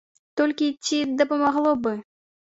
Толькі ці дапамагло б?